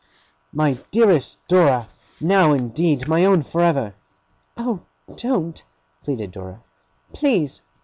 'My dearest Dora! Now, indeed, my own for ever!' 'Oh, DON'T!' pleaded Dora. 'Please!